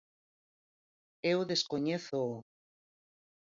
Eu descoñézoo.